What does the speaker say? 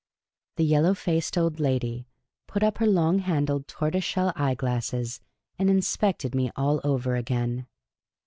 The yellow faced old lady put up her long handled tortoise shell eyeglasses and inspected me all over again.